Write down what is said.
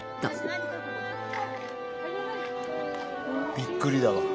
びっくりだわ。